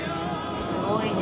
すごいね。